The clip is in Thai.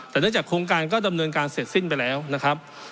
แต่เนื่องจากโครงการก็ดำเนินการเสร็จสิ้นไปแล้วนะครับ